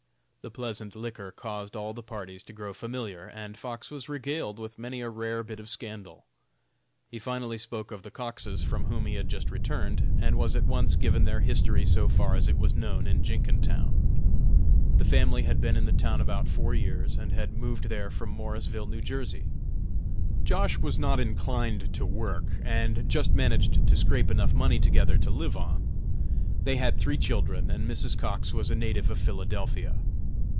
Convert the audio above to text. The pleasant liquor caused all the parties to grow familiar, and Fox was regaled with many a rare bit of scandal. He finally spoke of the Coxes from whom he had just returned, and was at once given their history so far as it was known in Jenkintown. The family had been in the town about four years, and had moved there from Morrisville, N. J. Josh. was not inclined to work, and just managed to scrape enough money together to live on. They had three children, and Mrs. Cox was a native of Philadelphia.